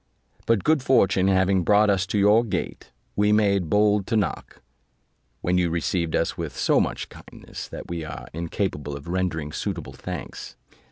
But good fortune having brought us to your gate, we made bold to knock, when you received us with so much kindness, that we are incapable of rendering suitable thanks.